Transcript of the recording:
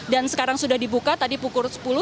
dan sekarang sudah dibuka tadi pukul sepuluh tiga puluh